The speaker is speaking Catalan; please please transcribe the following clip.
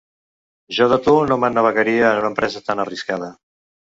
Jo de tu no m'ennavegaria en una empresa tan arriscada!